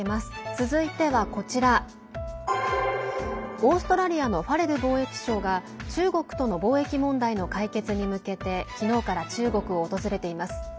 続いてはこちらオーストラリアのファレル貿易相が中国との貿易問題の解決に向けて昨日から中国を訪れています。